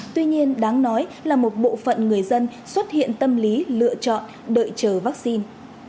tuy nhiên đáng nói là một bộ phận người dân xuất hiện tâm lý lựa chọn đợi chờ vaccine